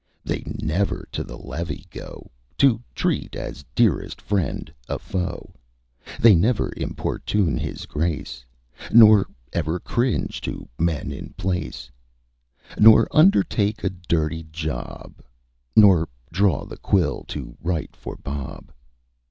They never to the levee go To treat as dearest friend a foe; They never importune his grace, Nor ever cringe to men in place; Nor undertake a dirty job, Nor draw the quill to write for Bob.